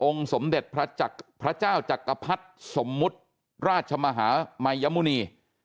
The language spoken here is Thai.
สมเด็จพระเจ้าจักรพรรดิสมมุติราชมหามายมุณี